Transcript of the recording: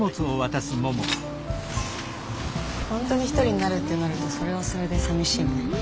本当に一人になるってなるとそれはそれでさみしいね。